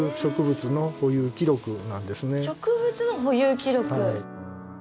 植物の保有記録。